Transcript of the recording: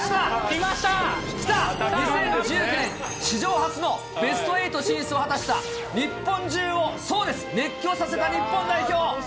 きた、２０１９年、史上初のベスト８進出を果たした日本中を熱狂させた日本代表。